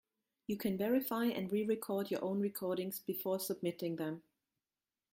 You can verify and re-record your own recordings before submitting them.